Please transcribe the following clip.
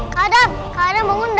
kak adam bangun